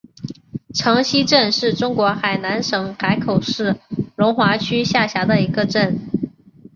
城西镇是中国海南省海口市龙华区下辖的一个镇。